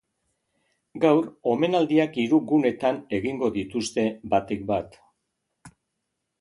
Gaur, omenaldiak hiru gunetan egingo dituzte batik bat.